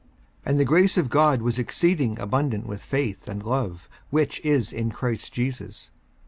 54:001:014 And the grace of our Lord was exceeding abundant with faith and love which is in Christ Jesus.